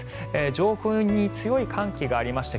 上空に強い寒気がありまして